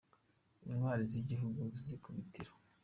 Intwari z’igihugu z’ikubitiro